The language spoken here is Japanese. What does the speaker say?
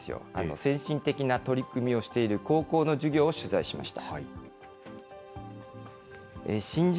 先進的な取り組みをしている高校の授業を取材しました。